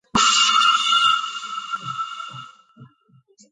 კვერცხიდან გამოჩეკილი მატლი ზრდასრული ფორმისაგან მცირე ზომით განსხვავდება.